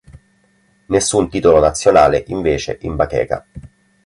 Nessun titolo nazionale, invece, in bacheca.